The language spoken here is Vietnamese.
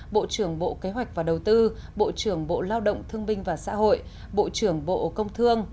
bộ trưởng bộ kế hoạch và đầu tư bộ trưởng bộ lao động thương binh và xã hội bộ trưởng bộ công thương